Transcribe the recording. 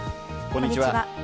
こんにちは。